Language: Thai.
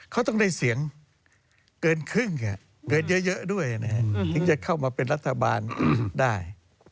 เขาต้องได้เสียงเกินครึ่งเกินเยอะด้วยถึงจะเข้ามาเป็นรัฐบาลได้